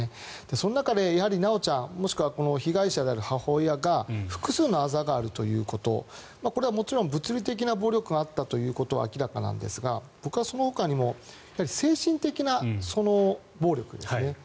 その中で修ちゃんもしくは被害者である母親が複数のあざがあるということこれはもちろん物理的な暴力があったということは明らかなんですが僕はそのほかにも精神的な暴力ですね。